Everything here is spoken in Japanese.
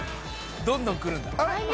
「どんどん来るんだ」